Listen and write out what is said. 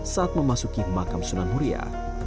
saat memasuki makam sunan muria